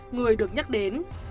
người được nhắc đến